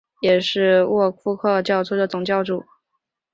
也是利沃夫总教区荣休总主教。